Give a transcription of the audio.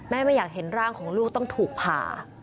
ไม่อยากเห็นร่างของลูกต้องถูกผ่า